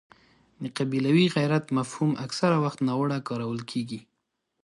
د قبیلوي غیرت مفهوم اکثره وخت ناوړه کارول کېږي.